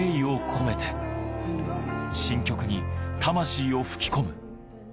新曲に魂を吹き込む。